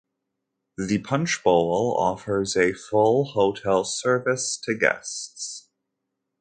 The Punch Bowl offers a full hotel service to guests.